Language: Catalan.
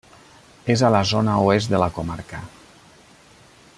És a la zona oest de la comarca.